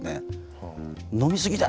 「飲み過ぎだ！」